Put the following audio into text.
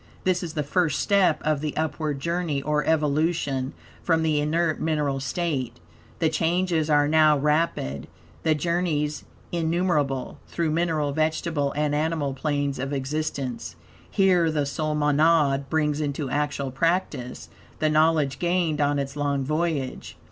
This is the first step of the upward journey, or evolution, from the inert mineral state. The changes are now rapid; the journeys innumerable; through mineral, vegetable, and animal planes, of existence. Here, the Soul Monad brings into actual practice the knowledge gained on its long voyage.